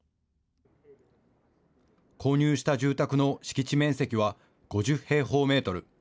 購入した住宅の敷地面積は５０平方メートル。